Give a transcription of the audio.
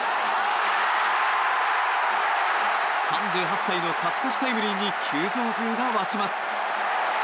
３８歳の勝ち越しタイムリーに球場中が沸きます。